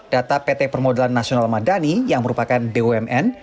data pt permodalan nasional madani yang merupakan bumn